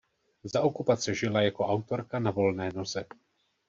Za okupace žila jako autorka na volné noze.